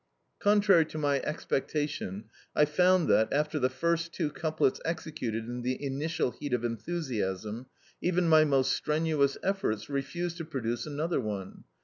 Contrary to my expectation, I found that, after the first two couplets executed in the initial heat of enthusiasm, even my most strenuous efforts refused to produce another one.